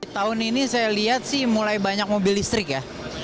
tahun ini saya lihat sih mulai banyak mobil listrik ya